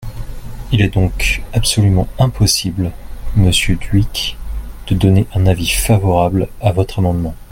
Il est donc absolument impossible, monsieur Dhuicq, de donner un avis favorable à votre amendement.